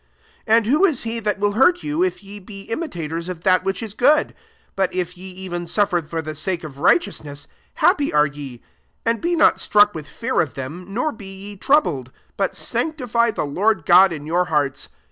13 And who t« he that will hurt you, if ye be imitators of that which is good ? 14 But if ye even suffer for the sake of righteousness, happy are ye: and be not struck with fear of them, nor be ye troubled; 15 but sanctify the Lord God in your hearts.